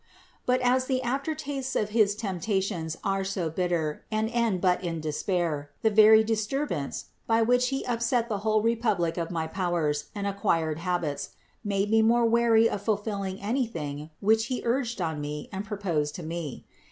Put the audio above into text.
10. But as the aftertastes of his temptations are so bitter and end but in despair, the very disturbance, by which he upset the whole republic of my powers and acquired habits, made me more wary of fulfilling any thing which he urged on me and proposed to me.